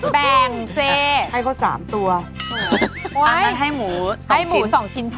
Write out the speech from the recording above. แบ่งแสะให้เขา๓ตัวอันนั้นให้หมู๒ชิ้นได้หมู๒ชิ้นพอ